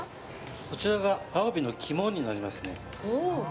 こちらがアワビの肝になりますね